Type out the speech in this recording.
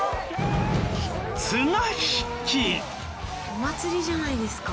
お祭りじゃないですか。